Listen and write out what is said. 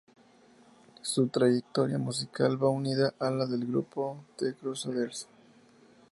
Su trayectoria musical va unida a la del grupo The Crusaders.